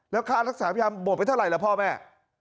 แล้วค่าทักษายามโบบไปเท่าไรล่ะพ่อแม่